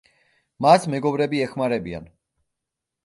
მას მეგობრები ეხმარებიან.